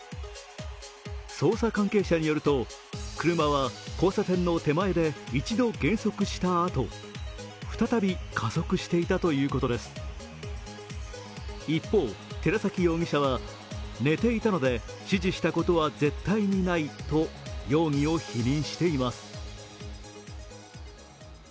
捜査関係者によると、車は交差点の手前で一度減速したあと再び、加速していたということです一方、寺崎容疑者は、寝ていたので指示したことは絶対にないと容疑を否認しています。